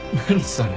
それ。